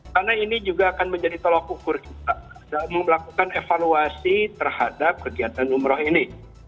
karena ini juga akan menjadi tolak ukur kita dalam melakukan evaluasi terhadap kegiatan umroh ini